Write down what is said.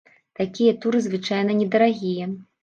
Такія туры звычайна недарагія.